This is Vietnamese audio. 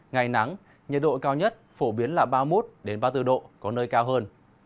ngày nắng nhiệt độ cao nhất phổ biến là ba mươi một ba mươi bốn độ có nơi cao hơn